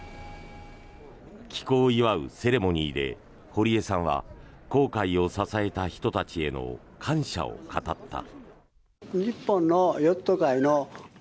帰港を祝うセレモニーで堀江さんは航海を支えた人たちへの感謝を語った。